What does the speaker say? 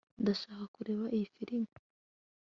Ndashaka kureba iyi film